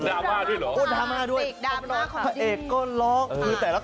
น้องกระดาษอีกท่านหนึ่งก็คือด้านนั้น